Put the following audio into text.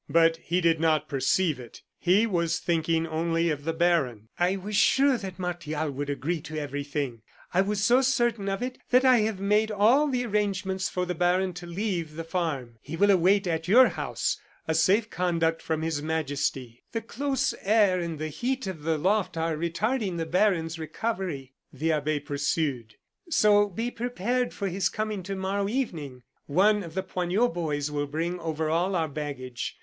But he did not perceive it. He was thinking only of the baron. "I was sure that Martial would agree to everything; I was so certain of it that I have made all the arrangements for the baron to leave the farm. He will await, at your house, a safe conduct from His Majesty. "The close air and the heat of the loft are retarding the baron's recovery," the abbe pursued, "so be prepared for his coming to morrow evening. One of the Poignot boys will bring over all our baggage.